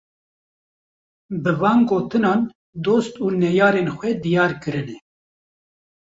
Bi van gotinan dost û neyarên xwe diyar kirine